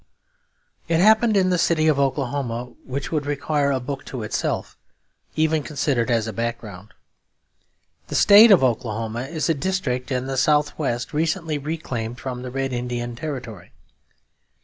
It happened in the city of Oklahoma, which would require a book to itself, even considered as a background. The State of Oklahoma is a district in the south west recently reclaimed from the Red Indian territory.